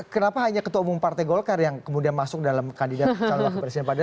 kenapa hanya ketua umum partai golkar yang kemudian masuk dalam kandidat calon wakil presiden pada